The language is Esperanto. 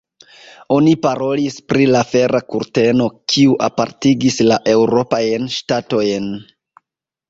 Oni parolis pri la fera kurteno, kiu apartigis la eŭropajn ŝtatojn.